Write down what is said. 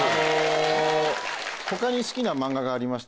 他に好きな漫画がありまして。